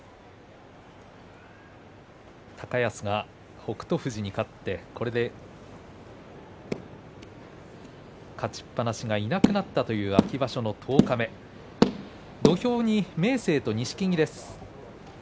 高安が北勝富士に勝ってこれで勝ちっぱなしがいなくなったという秋場所の十日目土俵に明生と錦木です。